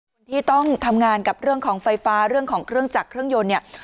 คนที่ต้องทำงานกับเรื่องของไฟฟ้าเรื่องของเครื่องจักรเครื่องยนต์เนี่ย